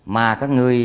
mà có người